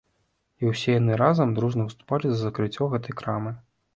І ўсе яны разам, дружна выступалі за закрыццё гэтай крамы.